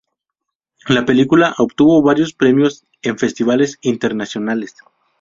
La película obtuvo varios premios en festivales internacionales.